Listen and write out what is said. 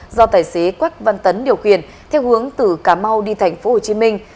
do tài xế quách văn tấn điều khiển theo hướng từ cà mau đi thành phố hồ chí minh